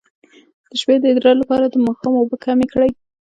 د شپې د ادرار لپاره د ماښام اوبه کمې کړئ